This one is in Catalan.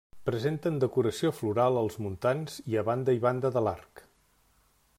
Presenten decoració floral als muntants i a banda i banda de l'arc.